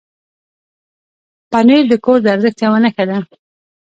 پنېر د کور د ارزښت یو نښه ده.